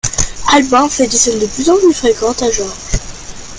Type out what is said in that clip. Albin fait des scènes de plus en plus fréquentes à Georges.